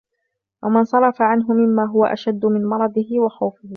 وَمَا انْصَرَفَ عَنْهُ مِمَّا هُوَ أَشَدُّ مِنْ مَرَضِهِ وَخَوْفِهِ